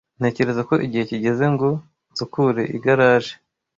Ntekereza ko igihe kigeze ngo nsukure igaraje.